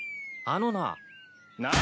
あのな。